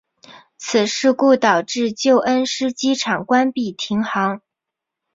此事故导致旧恩施机场关闭停航。